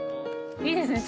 いいですね